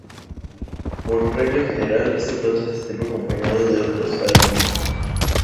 Por regla general este plato se sirve acompañado de otros aliños.